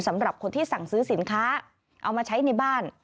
สำหรับคนที่สั่งซื้อสินค้าเอามาใช้ในบ้าน